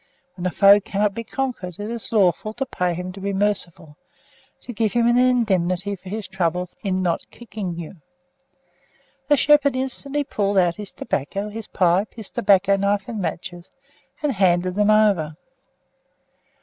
When a foe cannot be conquered, it is lawful to pay him to be merciful; to give him an indemnity for his trouble in not kicking you. The shepherd instantly pulled out his tobacco, his pipe, his tobacco knife, and matches, and handed them over.